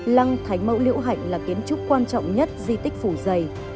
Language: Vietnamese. lăng thánh mẫu liễu hạnh là kiến trúc quan trọng nhất di tích phủ giày